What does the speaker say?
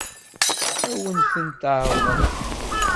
Ad wen-ten-ɛeṛḍen?